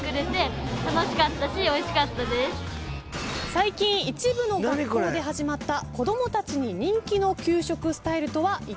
最近一部の学校で始まった子供たちに人気の給食スタイルとはいったい何でしょうか？